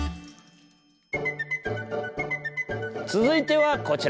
続いてはこちら。